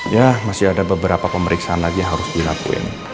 ya masih ada beberapa pemeriksaan lagi yang harus dilakuin